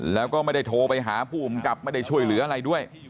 แล้วก็ไม่ได้โทรไปหาผู้อำกับไม่ได้ช่วยเหลืออะไรด้วย